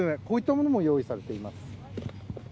こういったものも用意されています。